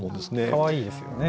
かわいいですよね。